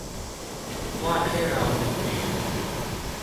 วาดให้เราหนึ่งแมว